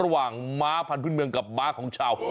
ระหว่างม้าพันธุ์ขึ้นเมืองกับม้าของชาว